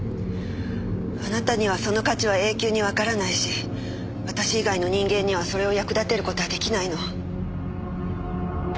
あなたにはその価値は永久にわからないし私以外の人間にはそれを役立てる事は出来ないの。